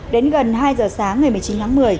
đến gần hai giờ sáng ngày một mươi chín tháng một mươi